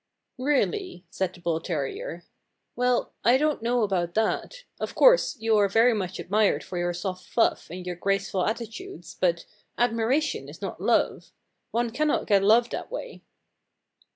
"Really," said the bull terrier. "Well, I don't know about that. Of course, you are very much admired for your soft fluff and your graceful attitudes, but admiration is not love. One cannot get love that way."